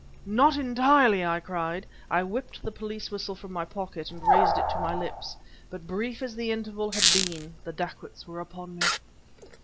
"Not entirely!" I cried. I whipped the police whistle from my pocket, and raised it to my lips; but brief as the interval had been, the dacoits were upon me.